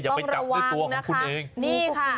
อย่าไปจับด้วยตัวของคุณเองต้องระวังนะครับ